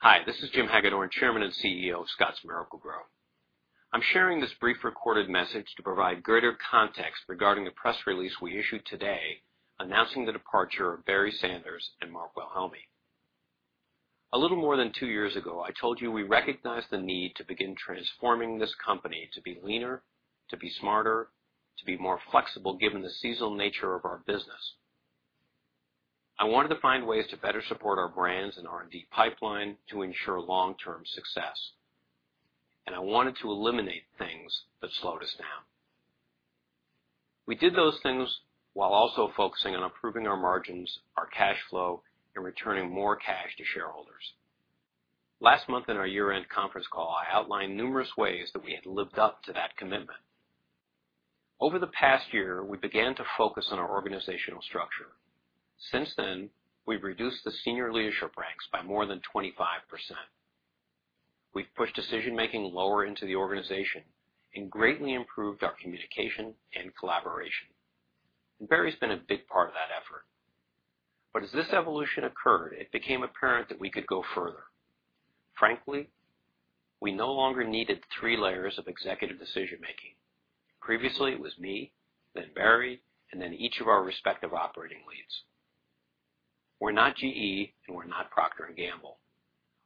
Hi, this is Jim Hagedorn, Chairman and CEO of Scotts Miracle-Gro. I'm sharing this brief recorded message to provide greater context regarding the press release we issued today, announcing the departure of Barry Sanders and Mark Wilhelmi. A little more than two years ago, I told you we recognized the need to begin transforming this company to be leaner, to be smarter, to be more flexible, given the seasonal nature of our business. I wanted to find ways to better support our brands and R&D pipeline to ensure long-term success. I wanted to eliminate things that slowed us down. We did those things while also focusing on improving our margins, our cash flow, and returning more cash to shareholders. Last month in our year-end conference call, I outlined numerous ways that we had lived up to that commitment. Over the past year, we began to focus on our organizational structure. Since then, we've reduced the senior leadership ranks by more than 25%. We've pushed decision-making lower into the organization and greatly improved our communication and collaboration. Barry has been a big part of that effort. As this evolution occurred, it became apparent that we could go further. Frankly, we no longer needed three layers of executive decision-making. Previously, it was me, then Barry, and then each of our respective operating leads. We're not GE, and we're not Procter & Gamble.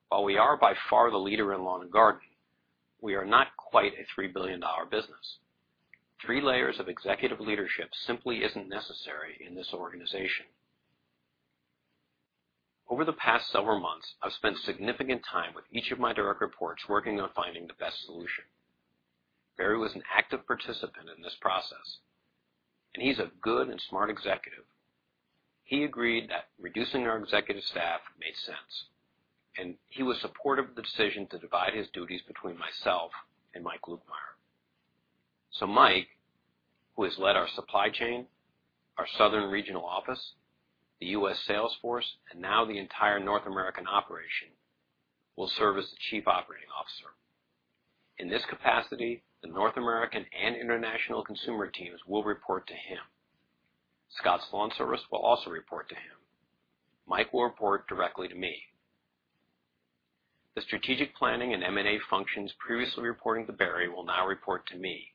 While we are by far the leader in lawn and garden, we are not quite a $3 billion business. Three layers of executive leadership simply isn't necessary in this organization. Over the past several months, I've spent significant time with each of my direct reports, working on finding the best solution. Barry was an active participant in this process. He's a good and smart executive. He agreed that reducing our executive staff made sense. He was supportive of the decision to divide his duties between myself and Mike Lukemire. Mike, who has led our supply chain, our southern regional office, the U.S. sales force, and now the entire North American operation, will serve as the Chief Operating Officer. In this capacity, the North American and international consumer teams will report to him. Scotts LawnService will also report to him. Mike will report directly to me. The strategic planning and M&A functions previously reporting to Barry will now report to me.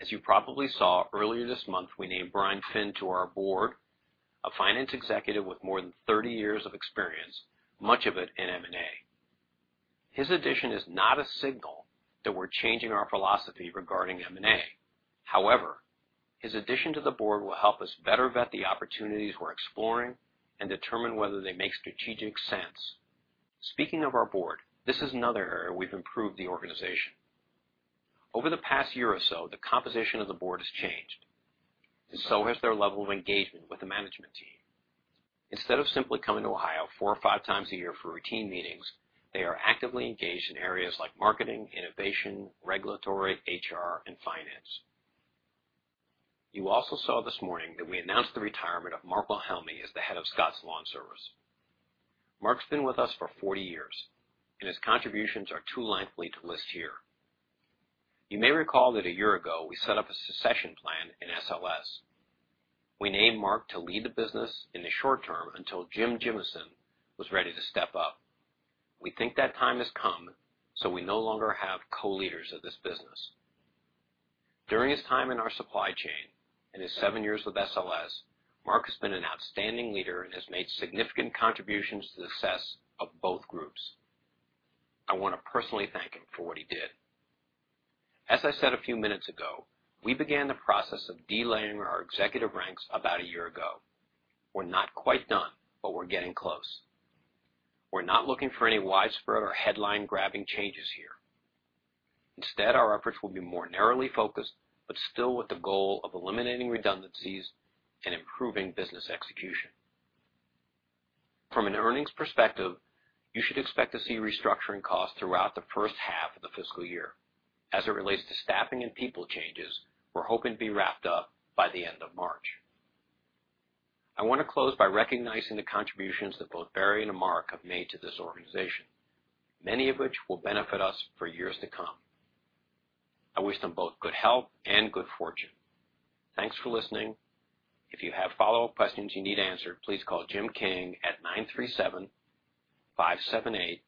As you probably saw earlier this month, we named Brian Finn to our board, a finance executive with more than 30 years of experience, much of it in M&A. His addition is not a signal that we're changing our philosophy regarding M&A. However, his addition to the board will help us better vet the opportunities we're exploring and determine whether they make strategic sense. Speaking of our board, this is another area we've improved the organization. Over the past year or so, the composition of the board has changed. So has their level of engagement with the management team. Instead of simply coming to Ohio four or five times a year for routine meetings, they are actively engaged in areas like marketing, innovation, regulatory, HR, and finance. You also saw this morning that we announced the retirement of Mark Wilhelmi as the head of Scotts LawnService. Mark's been with us for 40 years. His contributions are too lengthy to list here. You may recall that a year ago, we set up a succession plan in SLS. We named Mark to lead the business in the short term until Jim Gimeson was ready to step up. We think that time has come, so we no longer have co-leaders of this business. During his time in our supply chain and his seven years with SLS, Mark has been an outstanding leader and has made significant contributions to the success of both groups. I want to personally thank him for what he did. As I said a few minutes ago, we began the process of delayering our executive ranks about a year ago. We're not quite done, but we're getting close. We're not looking for any widespread or headline-grabbing changes here. Instead, our efforts will be more narrowly focused, but still with the goal of eliminating redundancies and improving business execution. From an earnings perspective, you should expect to see restructuring costs throughout the first half of the fiscal year. As it relates to staffing and people changes, we're hoping to be wrapped up by the end of March. I want to close by recognizing the contributions that both Barry and Mark have made to this organization, many of which will benefit us for years to come. I wish them both good health and good fortune. Thanks for listening. If you have follow-up questions you need answered, please call Jim King at 937-578-5622.